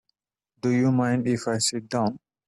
Do you mind if I sit down?